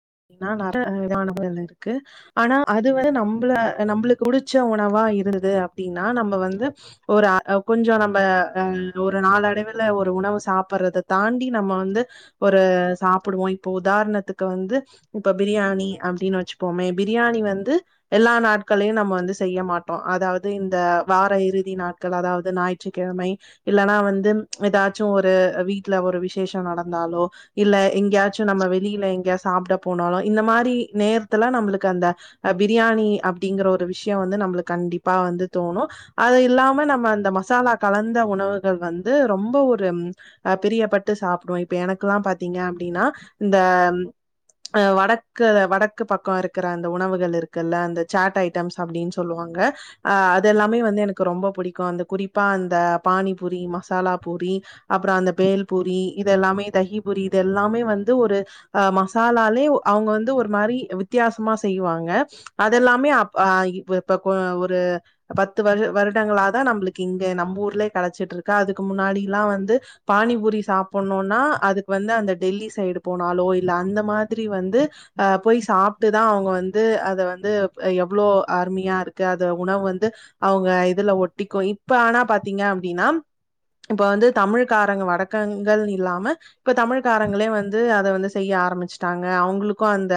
[unintelligible] இருக்கு ஆனா அது வந்து நம்மள நம்மளுக்கு புடிச்ச உணவாயிருது அப்படின்னா நம்ம வந்து ஒரு கொஞ்சம் நம்ம அஹ் ஒரு நாலடைவுல ஒரு உணவு சாப்படுறத தாண்டி நம்ம வந்து ஒரு சாப்புடுவோம் இப்ப உதாரணத்துக்கு வந்து இப்ப பிரியாணி அப்படின்னு வச்சுப்போமே பிரியாணி வந்து எல்லா நாட்களையும் நம்ம வந்து செய்ய மாட்டோம் அதாவது இந்த வார இறுதி நாட்கள் அதாவது ஞாயிற்றுக்கிழமை இல்லலைன்னா வந்து எதாச்சும் ஒரு வீட்டுல ஒரு விசேஷம் நடந்தாலோ இல்ல எங்கேயாச்சும் நம்ம வெளியில எங்கேயா சாப்ட போனாலும் இந்த மாதிரி நேரத்துல நம்மளுக்கு அந்தஹ பிரியாணி அப்டிங்கற ஒரு விஷயம் வந்து நம்மளுக்கு கண்டிப்பா வந்து தோணும் அது இல்லாம நம்ம அந்த மசாலா கலந்த உணவுகள் வந்து ரொம்ப ஒரு அஹ் பிரியப்பட்டு சாப்புடுவோம் இப்ப எனக்குல்லாம் பாத்தீங்க அப்படின்னா இந்த அஹ வடக்கு வடக்கு பக்கம் இருக்கிற அந்த உணவுகள் இருக்குல்ல அந்த சேட் ஐட்டம்ஸ் அப்படின்னு சொல்லுவாங்க அஹ் அது எல்லாமே வந்து எனக்கு ரொம்ப புடிக்கும் அந்த குறிப்பா அந்த பானிபூரி மசாலா பூரி அப்புறம் அந்த பேல் பூரி இது எல்லாமே தகி பூரி இது எல்லாமே வந்து ஒரு அஹ் மசாலாலே அவங்க வந்து ஒரு மாதிரி வித்தியாசமா செய்வாங்க அதெல்லாமே அ இப்ப ஒரு பத்து வரு வருடங்களா தான் நம்மளுக்கு இங்க நம்ம ஊர்லே கெடைச்சிட்டு இருக்க அதுக்கு முன்னாடில்லாம் வந்து பானிபுரி சாப்புடணும்னா அதுக்கு வந்து அந்த டெல்லி சைடு போனாலோ இல்ல அந்த மாதிரி வந்து போய் சாப்ட்டுதான் அவங்க வந்து அத வந்து எவ்வளோ அருமையா இருக்கு அத உணவு வந்து அவங்க இதுல ஒட்டிக்கும் இப்ப ஆனா பாத்தீங்க அப்படின்னா இப்ப வந்து தமிழ்காரங்க வடக்கங்கள் இல்லாம இப்ப தமிழ்காரங்களே வந்து அதை வந்து செய்ய ஆரம்பிச்சு டாங்க அவங்களுக்கும் அந்த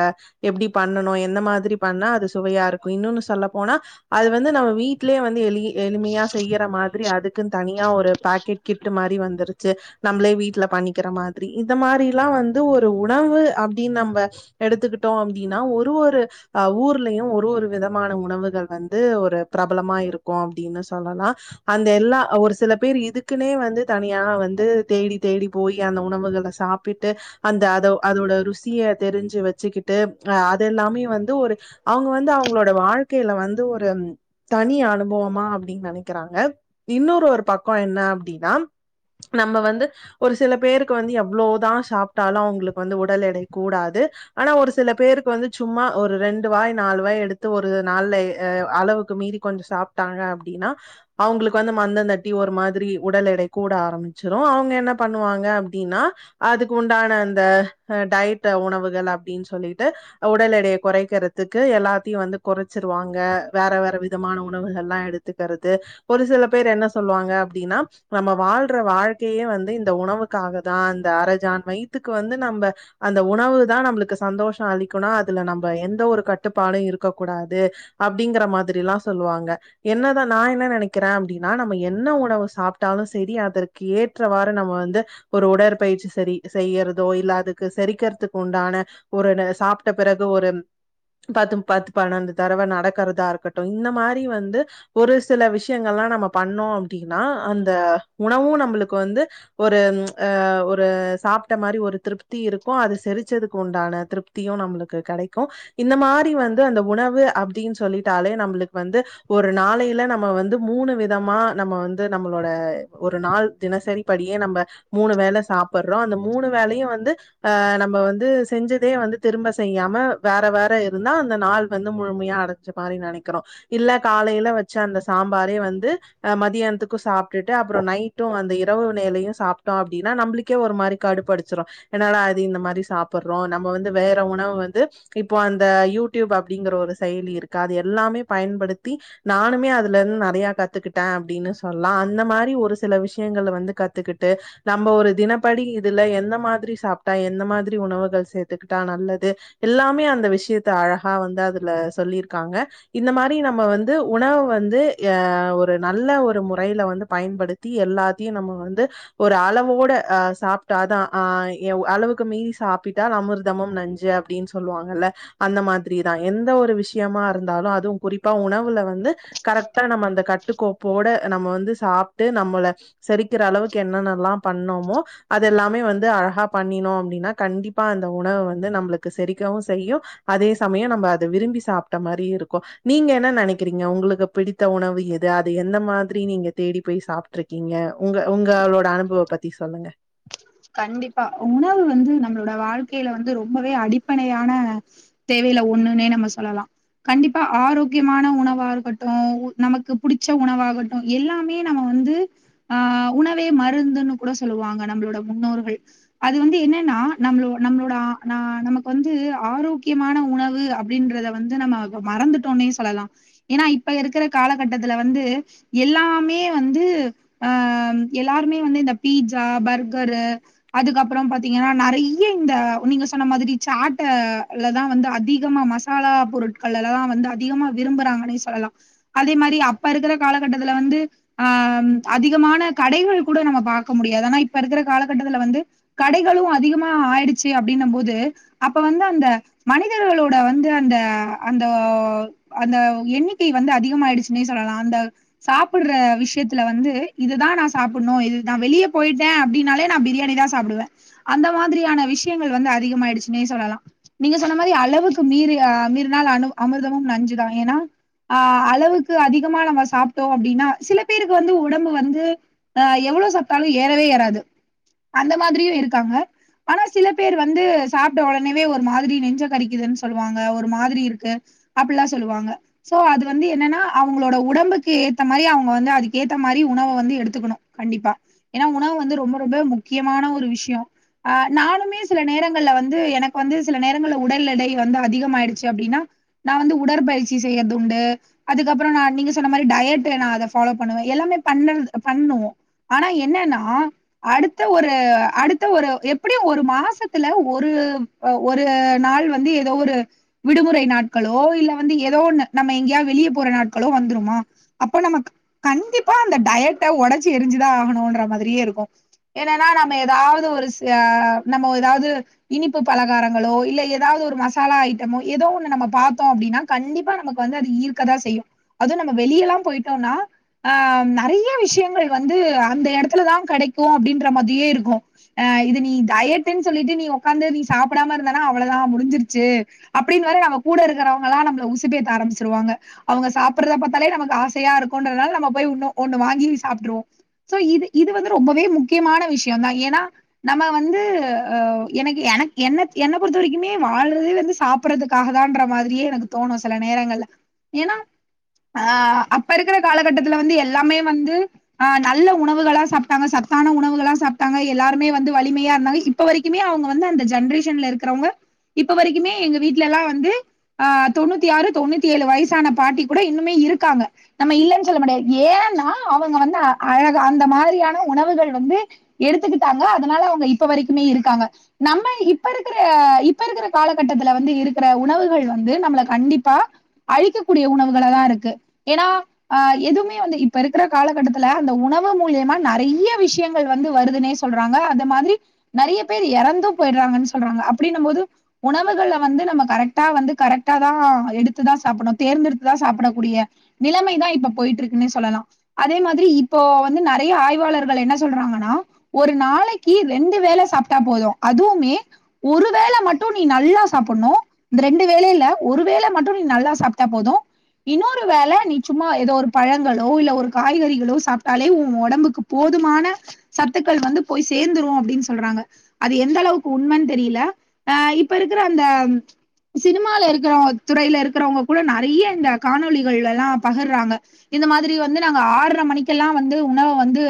எப்படி பண்ணனும் என்ன மாதிரி பண்ணா அது சுவையா இருக்கும் இன்னொன்னு சொல்ல போனா அது வந்து நம்ம வீட்லயே வந்து எள் எளிமையா செய்யற மாரி அதுக் துக்கு தனியா ஒரு பாக்கெட் கிட் மாதிரி வந்துருச்சு நம்மளே வீட்டுல பண்ணிக்கிற மாதிரி இந்த மாரிலாம் வந்து ஒரு உணவு அ ன்னு நம்ப எடுத்துக்கிட்டோம் அப்படின்னா ஒரு ஒரு ஊர்லயும் ஒரு ஒரு விதமான உணவுகள் வந்து ஒரு பிரபலமா இருக்கும் அப்படின்னு சொல்லலாம் அந்த எல்லாம் ஒரு சில பேர் இதுக்குன்னே வந்து தனியா வந்து தேடி தேடி போய் அந்த உணவுகளை சாப்பிட்டு அந்த அத அதோட ருசி தெரிஞ்சு வச்சுக்கிட்டு அஹ் அது எல்லாமே வந்து ஒரு அவங்க வந்து அவங்களோட வாழ்க்கையில வந்து ஒரு தனி அனுபவமா அப்படின்னு நெனைக்கிறாங்க இன்னொரு ஒரு பக்கம் என்ன அப்டின்னா நம்ம வந்து ஒரு சில பேருக்கு வந்து எவ்ளோதான் சாப்ட்டாலும் அவங்களுக்கு வந்து உடல் எடை கூடாது ஆனா ஒரு சில பேருக்கு வந்து சும்மா ஒரு ரெண்டு வாய் நாலு வாய் எடுத்து ஒரு நால்லே அளவுக்கு மீறி கொஞ்சம் சாப்ட்டாங்க அப்புடின்னா அவங்களுக்கு வந்து மந்தந்தட்டி ஒரு மாதிரி உடல் எடை கூட ஆரம்பிச்சிடும் அவங்க என்ன பண்ணுவாங்க அப்புடின்னா அதுக்கு உண்டான அந்த டயட் ன்ற உணவுகள் அப்படின்னு சொல்லிட்டு உடல் எடையை குறைக்கிறதுக்கு எல்லாத்தையும் வந்து குறைச்சிருவாங்க வேற வேற விதமான உணவுகள் எல்லாம் எடுத்துக்கிறது ஒரு சில பேர் என்ன சொல்லுவாங்க அப்புடின்னா நம்ம வாழ்ற வாழ்க்கையே வந்து இந்த உணவுக்காக தான் இந்த அரஜான் வயித்துக்கு வந்து நம்ம அந்த உணவு தான் நம்மளுக்கு சந்தோஷம் அளிக்குனா அதுல நம்ம எந்த ஒரு கட்டுப்பாடும் இருக்க கூடாது அப்படிங்கிற மாதிரில்லாம் சொல்லுவாங்க என்னதான் நான் என்ன நெனைக்கிறேன் அப்படின்னா நம்ம என்ன உணவு சாப்பிட்டாலும் சரி அதற்கு ஏற்றவாறு நம்ம வந்து ஒரு உடற்பயிற்சி சரி செய்யறதோ இல்ல அது செரிக்கிறதுக்கு உண்டான ஒரு சாப்ட்ட பிறகு ஒரு பத்து பத்து பன்னண்டு தடவ நடக்கிறதா இருக்கட்டும் இந்த மாதிரி வந்து ஒரு சில விஷயங்கள்லாம் நம்ம பண்ணோம் அப்படின்னா அந்த உணவும் நம்மளுக்கு வந்து ஒரு அஹ ஒரு சாப்ட்ட மாதிரி ஒரு திருப் திருப்தி இருக்கும் அது செரிச்சதுக்கு உண்டான திருப்தியும் நம்மளுக்கு கிடைக்கும் இந்த மாதிரி வந்து அந்த உணவு அப்படின்னு சொல்லிட்டாலே நம்மளுக்கு வந்து ஒரு நாளையில நம்ம வந்து மூணு விதமா நம்ம வந்து நம்மளோட ஒரு நாள் தினசரிப்படியே நம்ம மூணு வேலை சாப்பிடுறோம் அந்த மூணு வேலையும் வந்து அஹ் நம்ம வந்து செஞ்சதே வந்து திரும்ப செய்யாம வேற வேற இருந்தா அந்த நாள் வந்து முழுமையா அடைஞ்ச மாதிரி நெனைக்கிறோம் இல்ல காலையில வச்ச அந்த சாம்பாரே வந்து அஹ் மதியானத்துக்கும் சாப்ட்டுட்டு அப்புறம் நைட்டும் அந்த இரவு நிலையும் சாப்ட்டோம் அப்டின்னா நம்மளுக்கே ஒரு மாதிரி கடுப்பு அடிச்சிடும் என்னால அது இந்த மாதிரி சாப்பிடுறோம் நம்ம வந்து வேற உணவு வந்து இப்போ அந்த யூடியூப் அப்படிங்கிற ஒரு செயலி இருக்கா அது எல்லாமே பயன்படுத்தி நானுமே அதுல இருந்து நிறைய கத்துக்கிட்டேன் அப்படின்னு சொல்லாம் அந்த மாதிரி ஒரு சில விஷயங்கள் வந்து கத்துக்கிட்டு நம்ம ஒரு தினப்படி இதுல எந்த மாதிரி சாப்புட்டா எந்த மாதிரி உணவுகள் சேத்துக்கிட்டா நல்லது எல்லாமே அந்த விஷயத்தை அழகா வந்து அதுல சொல்லியிருக்காங்க இந்த மாதிரி நம்ம வந்து உணவு வந்து ஆஹ் ஒரு நல்ல ஒரு முறையில வந்து பயன்படுத்தி எல்லாத்தையும் நம்ம வந்து ஒரு அளவோட அஹ் சாப்ட்டாதான் ஆஹ் அளவுக்கு மீறி சாப்பிட்டால் அமிர்தமும் நஞ்சு அப்படின்னு சொல்லுவாங்கல்ல அந்த மாதிரிதான் எந்த ஒரு விஷயமா இருந்தாலும் அதுவும் குறிப்பா உணவுல வந்து வந்து கரெக்ட்டா நம்ம அந்த கட்டுக்கோப்போட நம்ம வந்து சாப் நம்மளை செரிக்கிற அளவுக்கு என்னென்னல்லாம் பண்ணோமோ அதயெல்லாமே வந்து அழகா பண்ணினோம் அப்படின்னா கண்டிப்பா அந்த உணவு வந்து நம்மளுக்கு செரிக்கவும் செய்யும் அதே சமயம் நம்ம அதை விரும்பி சாப்ட்ட மாதிரி இருக்கும் நீங்க என்ன நெனைக்கிறீங்க உங்களுக்கு பிடித்த உணவு எது அது எந்த மாதிரி நீங்க தேடி போய் சாப்ட்ருக்கீங்க உங்க உங்களோட அனுபவ பத்தி சொல்லுங்க கண்டிப் ப்ப உணவு வந்து நம்மளோட வாழ் யில வந்து ரொம்பவே அடிப்படையான தேவையில ஒண்ணுனே நம்ம சொல்லலாம் கண்டிப்பா ஆரோக்கியமான உணவாருக்கட்டும் நமக்கு புடிச்ச உணவாகட்டும் எல்லாமே நம்ம வந்து ஆஹ் உணவே மருந்துன்னு கூட சொல்லுவாங்க நம்மளோட முன்னோர்கள் அது வந்து என்னன்னா நம்மளோ நம்மளோட நமக்கு வந்து ஆரோக்கியமான உணவு அப்புடின்றத வந்து நம்ம மறந்துட்டோனே சொல்லலாம் ஏன்னா இப்ப இருக்கிற காலகட்டத்துல வந்து எல்லாமே வந்து ஆஹ் எல்லாருமே வந்து இந்த பீட்சா பர்க் கரு அதுக்கப்புறம் பாத்தீங்கன்னா நிறைய இந்த நீங்க சொன்ன மாதிரி சாட்ட லதான் வந்து அதிகமா மசாலா பொருட்கள்லாம் வந்து அதிகமா விரும்புறாங்கன்னே சொல்லலாம் அதே மாதிரி அப்ப இருக்கிற காலகட்டத்துல வந்து ஆஹ் அதிகமான கடைகள் கூட நம்ம பாக்க முடியாது ஆனா இப்ப இருக்கிற காலகட்டத்துல வந்து கடைகளும் அதிகமா ஆயிடுச்சு அப்புடின்ன போது அப்ப வந்து அந்த மனிதர்களோட வந்து அந்த அந்த அந்த எண்ணிக்கை வந்து அதிக ஆயிடுச்சுன்னே சொல்லலாம் அந்த சாப்புடுற விஷயத்துல வந்து இதுதான் நான் சாப்புடணும் இது நான் வெளியே போயிட்டு டேன் அப்படினாலே நான் பிரியாணி தான் சாப்புடுவேன் அந்த மாதிரியான விஷயங்கள் வந்து அதிகமாயிடுச்சுன்னே சொல்லலாம் நீங்க சொன்ன மாதிரி அளவுக்கு மீ்றி மீறினாள் அ அமிர்தமும் நஞ்சுதான் ஏன்னா அஹ் அளவுக்கு அதிகமா நம்ம சாப்புட்டோம் அப்படின்னா சில பேருக்கு வந்து உடம்பு வந்து ஆஹ் எவ்வளோ சாப்புட்டாலும் ஏ ஏறவே ஏறாது அந்த மாதிரியும் இருக்காங்க ஆனா சில பேர் வந்து சாப்புட்ட உடனேவே ஒரு மாதிரி நெஞ்ச கறிக்குதுன்னு சொல்லுவாங்க ஒரு மாதிரி இருக்கு அப்படில்லாம் சொல்லுவாங்க சோ அது வந்து என்னன்னா அவங்களோட உடம்புக்கு ஏத்த மாதிரி அவங்க வந்து அதுக்கு ஏத்த மாதிரி உணவை வந்து எடுத்துக்கணும் கண்டிப்பா ஏன்னா உணவு வந்து ரொம்ப ரொம்ப முக்கியமான ஒரு விஷயம் ஆஹ் நானுமே சில நேரங்கள்ல வந்து எனக்கு வந்து சில நேரங்கள்ல உடல் எடை வந்து அதிகம் ஆயிடுச்சு அப்படின்னா நான் வந்து உடற்பயிற்சி செய்யறது உண்டு அதுக்கப்புறம் நான் நீங்க சொன்ன மாதிரி டயட் நான் அதை ஃபாலோ பண்ணுவேன் எல்லாமே பண்ண பண்ணுவோ ஆனா இப்டி என்னன்னா அடுத்த ஒரு அடுத்த ஒரு எப்படியும் ஒரு மாசத்துல ஒரு ஒரு நாள் வந்து ஏதோ ஒரு விடுமுறை நாட்களோ இல்ல வந்து ஏதோவொன்னு நம்ம எங்கேயாவது வெளியே போற நாட்களோ வந்துருமா அப்போ நம்ம கண்டிப்பா அந்த டயட்ட உடச்சு எரிஞ்சுதான் ஆகணும் ட்ட மாதிரியேருக்கும் என்னென்ன நாம எதாவது ஒரு சிஆஹ் நம ஏதாவது இனிப்பு பலகாரங்களோ இல்ல ஏதாவது ஒரு மசாலா ஐட்டமோ ஏதோவொன்னு நம்ம பாத்தோம் அப்டின்னா கண்டிப்பா நமக்கு வந்து அது ஈர்க்கதான் செய்யும் அது நம்ம வெளியல்லாம் போயிட்டோம்னா ஆஹ் நெறைய விஷயங்கள் வந்து அந்த இடத்து த்துல தான் கிடைக்கும் அப்படின்ற மாதிரியே இருக்கும் அஹ் இது நீ டயட்டுன்னு சொல்லிட்டு நீ உக்காந்து நீ சாப்பிடாம இருந்தானா அவ்ளதான் முடிஞ்சிருச்சு அப்படின்னு வர நம்ம கூட இருக்கிறவங்க எல்லாம் நம்மள உசுப்பேத்த ஆரம்பிச்சிருவங்க அவங்க சாப்பிறத பாத்தாலே நமக்கு ஆசையா இருக்கும்ன்றதுனால நம்ம போய் ஒன்னு ஒண்ணு வாங்கி சாப்புடுருவோம் சோ இது இது வந்து ரொம்பவே முக்கியமான விஷயம் தான் ஏன்னா நம்ம வந்துஹ எனக்கு எனக்கு என்ன என்னை பொறுத்த வரைக்குமே வாழ்றதே வந்து சாப்பிடறதுக்காகதான்ற மாதிரியே எனக்கு தோணும் சில நேரங்கள்ல ஏன்னா அஹ் அப்ப இருக்கிற காலகட்டத்துல வந்து எல்லாமே வந்து ஆஹ் நல்ல உணவுகளா சாப்டாங்க சத்தான உணவுகளா சாப்டாங்க எல்லாருமே வந்து வலிமையாயிருந்தாங்க இப்பவரைக்குமே அவங்கவந்து அந்த ஜென்ரேஷன் இருக்கவங்க இப்பவரைக்குமே எங்க வீட்டுல வந்து ஆஹ் தொண்ணுத்தியாறு தொண்ணுத்தியேழு வயசான பாட்டிகூடஇன்னுமே இருக்காங்க நம்ம இல்லனு சொல்லமுடியாது ஏன்னா அவங்க வந்து அ அழகா அந்தமாதிரி ஹெல்த்தியான உணவுகள் வந்து எடுத்துக்கிட்டாங்க அதனால அவங்க இப்ப வரைக்குமே இருக்காங்க நம்ம இப்ப இருக்கிற இப்ப இருக்கிற காலகட்டத்துல வந்து இருக்கிற உணவுகள் வந்து நம்மள கண்டிப்பா அழிக்கக்கூடிய உணவுகள தான் இருக்கு ஏன்னா ஹ எதுவுமே வந்து இப்ப இருக்கிற காலகட்டத்துல அந்த உணவு மூலியமா நெறைய விஷயங்கள் வந்து வருதுன்னே சொல்றாங்க அந்த மாதிரி நெறைய பேர் இறந்து போயிடுறாங்கன்னு சொல்றாங்க அப்படினும் போது உணவுகள்ல வந்து நம்ம கரெக்ட வந்து கரெக்டாத தான் எடுத்துதான் சாப்புடும் தேர்ந்தெடுத்துதான் சாப்புடக்கூடிய நிலைமைதான் இப்ப போயிட்டு இருக்குன்னே சொல்லலாம் அதே மாதிரி இப்போ வந்து நிறைய ஆய்வு ஆய்வாளர்கள் என்ன சொல்றாங்கன்னா ஒரு நாளைக்கு ரெண்டு வேலை சாப்ட்டா போதும் அதுவுமே ஒரு வேளை மட்டும் நீ நல்லா சாப்டனும் இந்த ரெண்டு வேளைல ஒரு வேளை மட்டும் நீ நல்லா சாப்ட்டா போதும் இன்னொரு வேலை நீ சும்மா ஏதோ ஒரு பழங்களோ இல்ல ஒரு காய்கறிகளோ சாப்ட்டாலே உ உடம்புக்கு போதுமான சத்துக்கள் வந்து போய் சேர்ந்துரும் அப்படின்னு சொல்றாங்க அது எந்த அளவுக்கு உண்மைன்னு தெரியல ஆஹ் இப்ப இருக்கிற அந்த சினிமாலா இருக்கிற துறையில இருக்கிறவங்க கூட நிறைய இந்த காணொலிகள் எல்லாம் பகர்றாங்க இந்த மாதிரி வந்து நாங்க ஆறரை மணிக்கெல்லாம் வந்து உணவை வந்து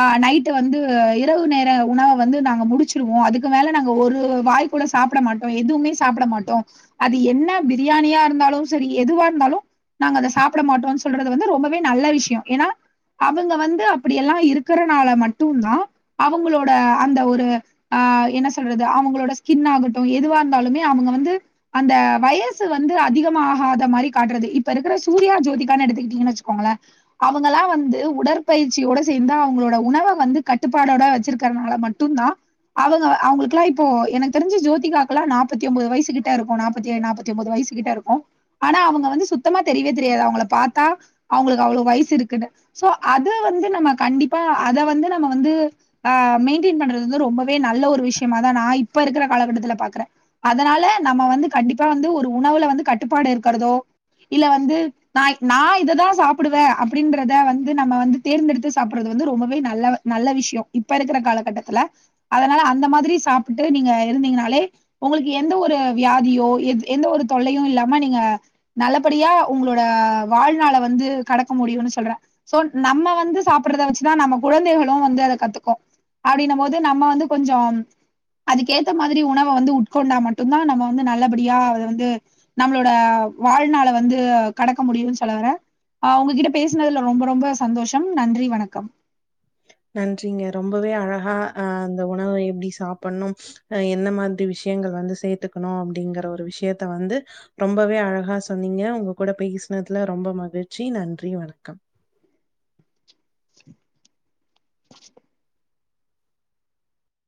ஆஹ் நைட் வந்து இரவு நேர உணவை வந்து நாங்க முடிச்சிருவோம் அதுக்கு மேல நாங்க ஒரு வாய் கூட சாப்பிட மாட்டோம் எதுமே சாப்பிட மாட்டோம் அது என்ன பிரியாணியா இருந்தாலும் சரி எதுவா இருந்தாலும் நாங்க அதை சாப்பிட மாட்டோம்னு சொல்றது வந்து ரொம்பவே நல்ல விஷயம் ஏன்னா அவங்க வந்து அப்படிய எல்லாம் இருக்கு இருக்கறனால மட்டும்தான் அவங்களோட அந்த ஒரு ஆஹ் என்ன சொல்றது அவங்களோட ஸ்கின் ஆகட்டும் எதுவா இருந்தாலுமே அவங்க வந்து அந்த வயசு வந்து அதிகமாகாத மாரி காட்டுறது இப்ப இருக்கிற சூர்யா ஜோதிகான்னு எடுத்துக்கிட்டீங்க வச்சக்கோங்களே அவங்க எல்லாம் வந்து உடற்பயிற்சியோட சேந்த அவங் உங்களோட உணவ வந்து கட்டுப்பாடோட வச்சிருக்கனால மட்டும் தான் அவங்க அவங்களுக்குல்லாம் இப்போ எனக்கு தெரிஞ்சு ஜோதிகாகுலாம் நாப்பத்தியோன்பது வயசு கிட்ட இருக்கும் நப்பதியே நாப்பாத்தியொன்பது வயசு கிட்ட இருக்கும் ஆனா அவங்க வந்து சுத்தமா தெரியவே தெரியாது அவங்களா பாத்தா அவங்களுக்கு அவளோ வயசு இருக்குனு சோ அது வந்து நம்ம கண்டிப்ப அத வந்து நம்ம வந்து மெயின்டெின் பண்றது வந்து ரொம்பவே நல்ல ஒரு விஷயமா தான் நான் இப்ப இருக்கிற காலகட்டத்துல பாக்குறேன் அதனால நம்ம வந்து கண்டிப்பா வந்து ஒரு உணவுல வந்து கட்டுப்பாடு இருக்கிறதோ இல்ல வந்து நான் இததான் சாப்பிடுவேன் அப்படின்றத வந்து நம்ம வந்து தேர்ந்தெடுத்துசாப்பிடனும் நல்ல விஷயம் இப்ப இருக்கிற காலகட்டத்துல அதனால அந்த மாதிரி சாப்பிட்டு நீங்க இருந்தீங்கனாலே உங்களுக்கு எந்த ஒரு வியாதியோ எந்த ஒரு தொல்லையும் இல்லாம நீங்க நல்லபடியா உங்களோட வாழ்நள வந்து கடக்க முடியும் சொல்றேன் நம்ம வந்து சாப்பிட வச்சுதான் நம்ம குழந்தைகளும் வந்து அத கத்துக்கும் அப்படின போது நம்ம வந்து கொஞ்சம் அதுக்கேத்த மாதிரி உணவை வந்து உட்கொண்டா மட்டும் தான் நம்ம வந்து நல்லபடியா அத வந்து நம்மளோட வாழ்நாள வந்து கடக்க முடியும்னு சொல்ல வறே உங்ககிட்ட பேசினதுல ரொம்ப ரொம்ப சந்தோஷம் நன்றி வணக்கம் நன்றிங்க ரொம்பவே அழகா அ அந்த உணவை எப்படி சாப்பிடணும் என்ன மாதிரி விஷயங்கள் வந்து சேர்த்துக்கணும் அப்படிங்கற ஒரு விஷயத்த வந்து ரொம்பவே அழகா சொன்னீங்க உங்க கூட பேசுனதுல ரொம்ப மகிழ்ச்சி நன்றி வணக்கம்